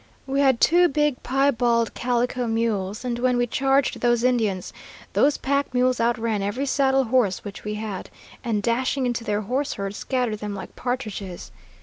"We had two big piebald calico mules, and when we charged those Indians, those pack mules outran every saddle horse which we had, and dashing into their horse herd, scattered them like partridges.